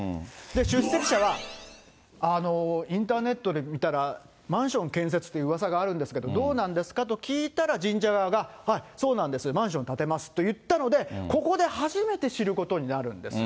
出席者は、インターネットで見たら、マンション建設といううわさがあるんですけど、どうなんですかと聞いたら、神社側が、そうなんです、マンション建てますと言ったので、ここで初めて知ることになるんです。